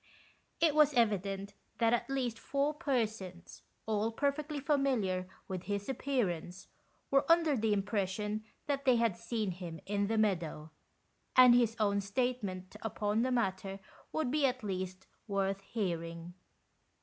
It was evident that at least four persons, all perfectly familiar with his appearance, were under the impression that they had seen him in the meadow, and his own statement upon the matter would be at least worth hearing.